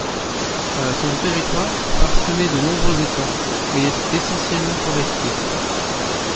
Son territoire, parsemé de nombreux étangs, est essentiellement forestier.